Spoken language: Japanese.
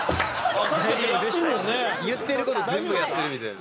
言ってる事全部やってるみたいな。